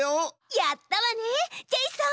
やったわねジェイソン！